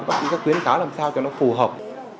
bác sĩ sẽ khuyến kháo làm sao cho nó phù hợp